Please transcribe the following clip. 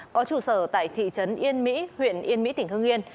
có trụ sở tại thị trấn yên mỹ huyện yên mỹ tỉnh hương yên